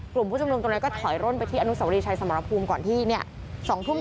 กลุ่มผู้ชุมนุมตรงนั้นก็ถอยร่นไปที่อนุสวรีชัยสมรภูมิก่อนที่๒ทุ่ม